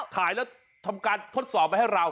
ถ่ายแล้วทำการทดสอบไปให้เรา